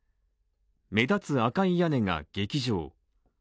目立つ赤い屋根が劇場。